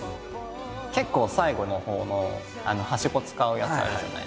結構最後のほうのはしご使うやつあるじゃないですか。